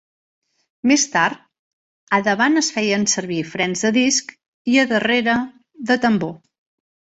Més tard, a davant es feien servir frens de disc i, a darrere, de tambor.